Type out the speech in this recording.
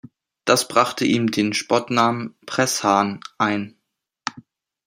Das brachte ihm den Spottnamen „Preß-Hahn“ ein.